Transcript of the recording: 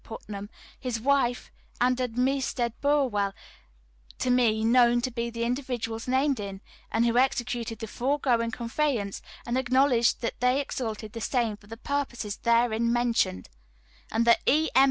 Putnam, his wife, and Armistead Burwell, to me known to be the individuals named in, and who executed the foregoing conveyance, and acknowledged that they executed the same for the purposes therein mentioned; and the E. M.